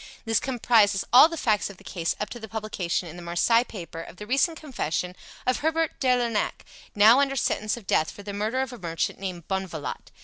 This comprises all the facts of the case up to the publication in the Marseilles papers of the recent confession of Herbert de Lernac, now under sentence of death for the murder of a merchant named Bonvalot.